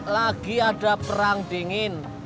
lagi ada perang dingin